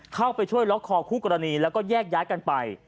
เข้าไปช่วยล็อกคอคู่กรณีแล้วก็แยกย้ายกันไป